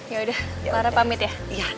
yaudah kelara pamit ya